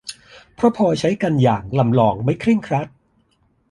เพราะพอใช้กันอย่างลำลองไม่เคร่งครัด